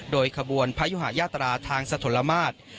โดยขบวนพระยุหายาตราทางสะทนละมาตร